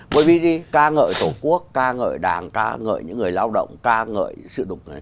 bởi vì ca ngợi tổ quốc ca ngợi đảng ca ngợi những người lao động ca ngợi sự đục người